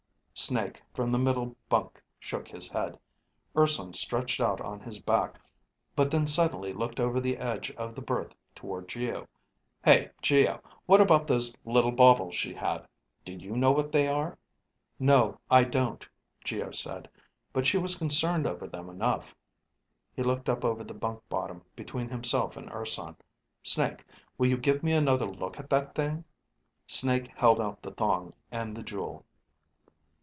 Snake, from the middle bunk, shook his head. Urson stretched out on his back, but then suddenly looked over the edge of the berth toward Geo. "Hey, Geo, what about those little baubles she had. Do you know what they are?" "No, I don't," Geo said. "But she was concerned over them enough." He looked up over the bunk bottom between himself and Urson. "Snake, will you give me another look at that thing?" Snake held out the thong and the jewel.